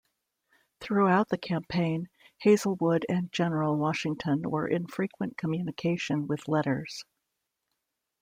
Throughout the campaign Hazelwood and General Washington were in frequent communication with letters.